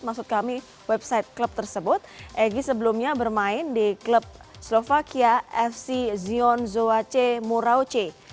maksud kami website klub tersebut egy sebelumnya bermain di klub slovakia fc zion zowache murauce